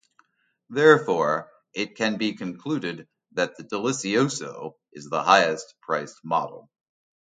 Therefore, it can be concluded that the Delicioso is the highest-priced model.